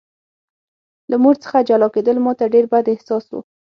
له مور څخه جلا کېدل ماته ډېر بد احساس و